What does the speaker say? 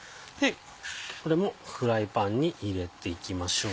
これもフライパンに入れていきましょう。